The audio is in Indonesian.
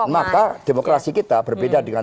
maka demokrasi kita berbeda dengan